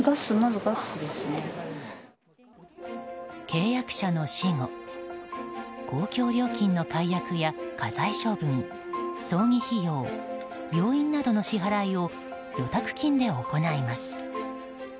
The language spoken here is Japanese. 契約者の死後公共料金の解約や家財処分葬儀費用、病院などの支払いを預託金で行います。